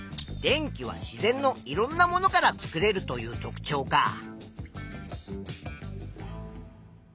電気は自然のいろんなものから作れるという特ちょうか。